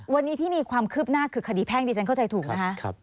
วันนี้ที่มีความคืบหน้าคือคดีแพ่งดิฉันเข้าใจถูกนะคะ